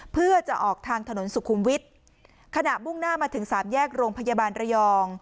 เพื่อจะออกทางถนนสุขุมวิทย์ขณะมุ่งหน้ามาถึงสามแยกโรงพยาบาลระยอง